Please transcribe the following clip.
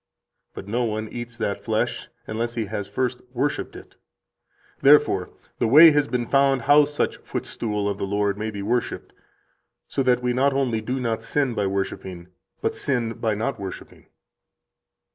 But no one eats that flesh unless He has first worshiped it. Therefore the way has been found how such footstool of the Lord may be worshiped, so that we not only do not sin by worshiping, but sin by not worshiping."